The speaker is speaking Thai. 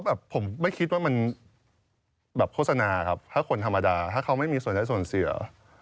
คือผมไม่คิดว่าคุณคนธรรมดาเขาไปมีส่วนเกิดส่วนเสีย